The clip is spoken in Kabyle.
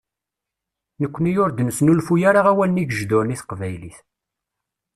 Nekni ur d-neslufuy ara awalen igejduren i teqbaylit.